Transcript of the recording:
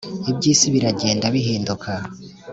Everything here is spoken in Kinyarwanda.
iby isi biragenda bihinduka